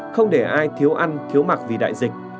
không để ai thiếu ăn thiếu mặc vì đại dịch